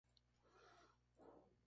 En la región se practica el parapente.